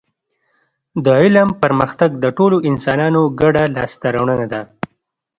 د علم پرمختګ د ټولو انسانانو ګډه لاسته راوړنه ده